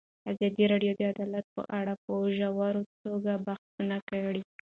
ازادي راډیو د عدالت په اړه په ژوره توګه بحثونه کړي.